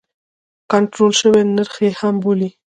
کنټرول شوی نرخ یې هم بولي.